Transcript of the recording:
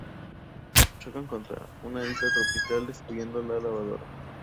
Chocan contra una isla tropical, destruyendo la lavadora.